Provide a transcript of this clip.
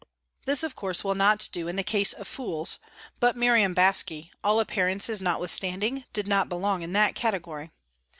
This, of course, will not do in the case of fools, but Miriam Baske, all appearances notwithstanding, did not belong to that category.